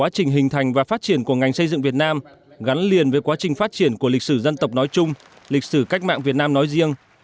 của lịch sử dân tộc nói chung lịch sử cách mạng việt nam nói riêng